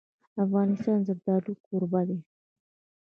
افغانستان د زردالو کوربه دی.